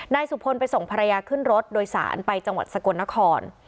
สุพลไปส่งภรรยาขึ้นรถโดยสารไปจังหวัดสกลนคร